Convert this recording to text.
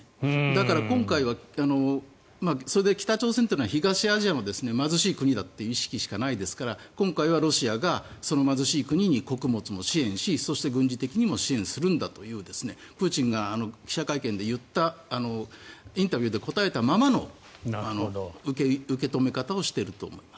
だから、今回はそれで北朝鮮というのは東アジアの貧しい国だという意識しかないですから今回はロシアがその貧しい国に穀物も支援し、軍事的にも支援するんだというプーチンが記者会見で言ったインタビューで答えたままの受け止め方をしていると思います。